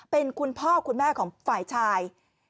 เป็นคุณพ่อคุณแม่ของฝ่ายชาย